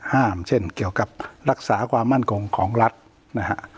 เช่นเกี่ยวกับรักษาความมั่นคงของรัฐนะฮะ